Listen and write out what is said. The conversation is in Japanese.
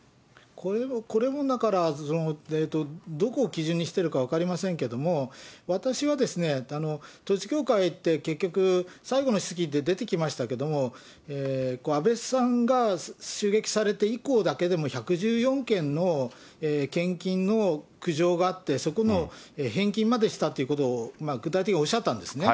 これもだから、どこを基準にしてるか分かりませんけれども、私はですね、統一教会って結局、最後の質疑で出てきましたけれども、安倍さんが襲撃されて以降だけでも１１４件の献金の苦情があって、そこの返金までしたということを具体的におっしゃったんですね。